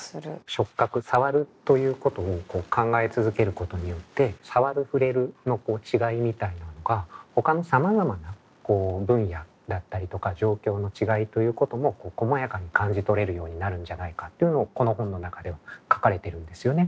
触覚さわるということを考え続けることによってさわるふれるの違いみたいなのがほかのさまざまな分野だったりとか状況の違いということもこまやかに感じ取れるようになるんじゃないかというのをこの本の中では書かれてるんですよね。